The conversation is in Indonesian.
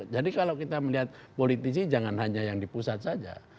jadi kalau kita melihat politisi jangan hanya yang di pusat saja